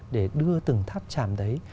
để đưa từng tháp chàm đấy